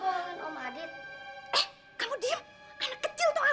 mama jangan ngebohong loh nanti dihukum allah